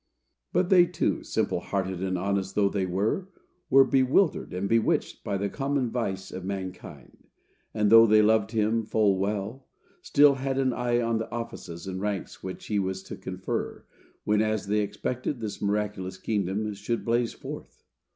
But they too, simple hearted and honest though they were, were bewildered and bewitched by the common vice of mankind; and, though they loved him full well, still had an eye on the offices and ranks which he was to confer, when, as they expected, this miraculous kingdom should blaze forth.